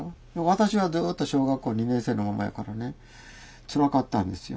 私はずっと小学校２年生のままやからねつらかったんですよ。